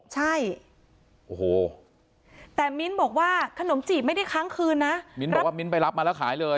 ใช่โอ้โหแต่มิ้นท์บอกว่าขนมจีบไม่ได้ค้างคืนนะมิ้นบอกว่ามิ้นไปรับมาแล้วขายเลย